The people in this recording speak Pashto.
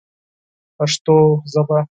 پښتو ژبه